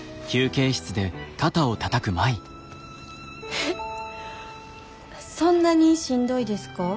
えっそんなにしんどいですか？